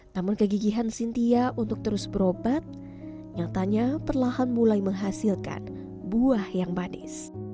namun kegigihan sintia untuk terus berobat nyatanya perlahan mulai menghasilkan buah yang manis